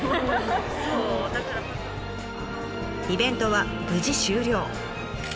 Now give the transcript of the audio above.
イベントは無事終了。